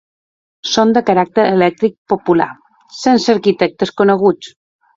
Són de caràcter eclèctic popular, sense arquitectes coneguts.